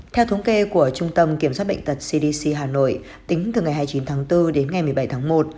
theo thống kê của trung tâm kiểm soát bệnh tật cdc hà nội tính từ ngày hai mươi chín tháng bốn đến ngày một mươi bảy tháng một